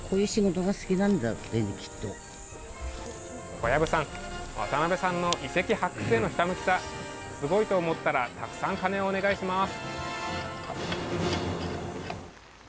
小籔さん、渡邊さんの遺跡発掘へのひたむきさすごいと思ったらたくさん鐘をお願いします。